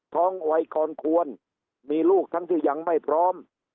วัยคนควรมีลูกทั้งที่ยังไม่พร้อม